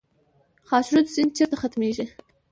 خاشرود سیند چیرته ختمیږي؟